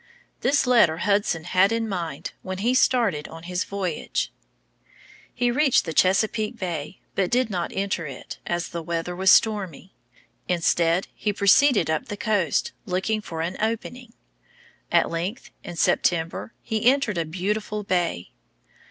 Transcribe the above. This letter Hudson had in mind when he started on his voyage. He reached Chesapeake Bay, but did not enter it, as the weather was stormy. Instead, he proceeded up the coast, looking for an opening. At length, in September, he entered a beautiful bay.